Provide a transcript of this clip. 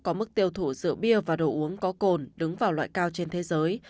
có mức tiêu thụ rượu bia và đồ uống có cồn đứng vào loại cao trên thế giới